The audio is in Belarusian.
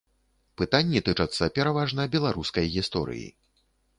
Пытанні тычацца пераважна беларускай гісторыі.